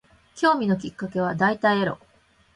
興味のきっかけは大体エロ